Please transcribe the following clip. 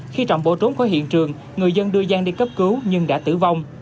khi trọng bỏ trốn khỏi hiện trường người dân đưa giang đi cấp cứu nhưng đã tử vong